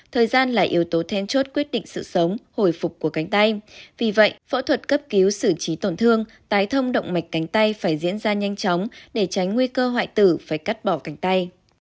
thời gian là yếu tố then chốt quyết định sự sống hồi phục của cánh tay vì vậy phẫu thuật cấp cứu xử trí tổn thương tái thông động mạch cánh tay phải diễn ra nhanh chóng để tránh nguy cơ hoại tử phải cắt bỏ cánh tay